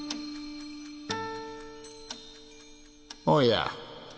おや？